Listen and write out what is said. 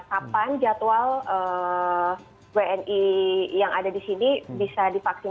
kapan jadwal wni yang ada di sini bisa divaksin